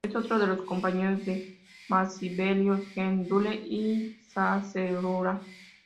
Es otro de los compañeros de Masahiro, Kensuke y Hasekura.